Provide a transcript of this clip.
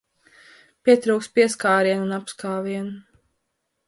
Pietrūkst pieskārienu un apskāvienu.